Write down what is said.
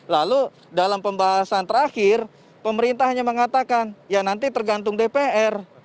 lalu dalam pembahasan terakhir pemerintah hanya mengatakan ya nanti tergantung dpr